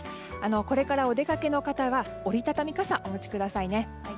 これからお出かけの方は折り畳み傘お持ちくださいね。